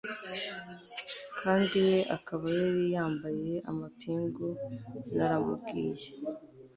kandi we akaba yari yambaye amapingu Naramubwiye